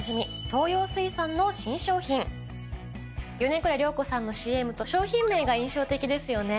東洋水産の新商品米倉涼子さんのＣＭと商品名が印象的ですよね。